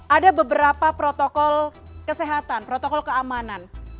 ada beberapa protokol kesehatan protokol keamanan